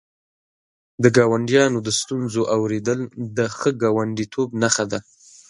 د ګاونډیانو د ستونزو اورېدل د ښه ګاونډیتوب نښه ده.